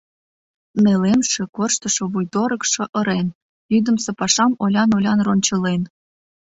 Нелемше, корштышо вуйдорыкшо ырен, йӱдымсӧ пашам олян-олян рончылен.